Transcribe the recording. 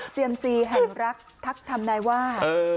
เซียมซีแห่งรักทักทำนายว่า